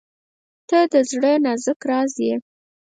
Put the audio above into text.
• ته د زړه نازک راز یې.